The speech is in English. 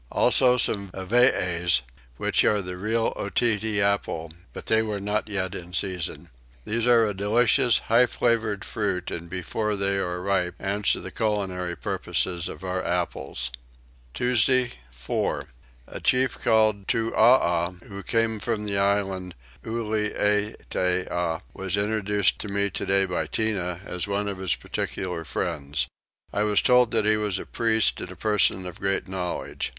Also some Avees, which are the real Otaheite apple; but they were not yet in season. These are a delicious high flavoured fruit and before they are ripe answer the culinary purposes of our apples. Tuesday 4. A chief called Tootaha, who came from the island Ulietea, was introduced to me today by Tinah as one of his particular friends. I was told that he was a priest and a person of great knowledge.